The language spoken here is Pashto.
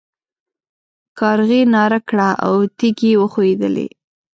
کارغې ناره کړه او تيږې وښوېدلې.